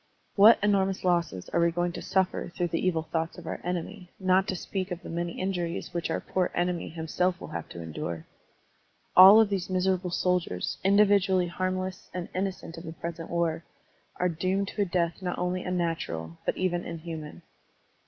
What enormous losses are we going to suffer through the evil thoughts of our enemy, not to speak of the many injuries which our poor enemy himself will have to endure? All these miserable soldiers, individually harm less and innocent of the present war, are doomed to a death not only unnatural, but even inhuman!